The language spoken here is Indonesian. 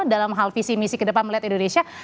dalam hal visi misi ke depan melihat indonesia